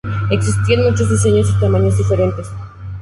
Existían muchos diseños y tamaños diferentes.